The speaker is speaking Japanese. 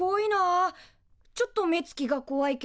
ちょっと目つきがこわいけど。